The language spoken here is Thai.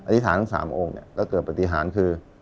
อธิษฐานทั้ง๓องค์เนี่ยก็เกิดปฏิหารคือ